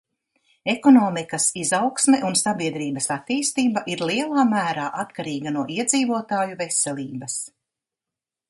Ekonomikas izaugsme un sabiedrības attīstība ir lielā mērā atkarīga no iedzīvotāju veselības.